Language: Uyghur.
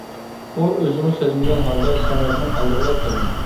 ئۇ ئۆزىمۇ سەزمىگەن ھالدا سەمەتنىڭ ئالدىغىلا كەلدى.